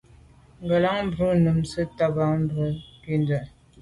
Ŋgə̀lâŋ brʉ́n nǔm sə̂' taba'ké mbá à nkrə̌ ndʉ́ kǎ.